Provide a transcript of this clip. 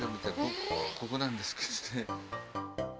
ここなんですけどね。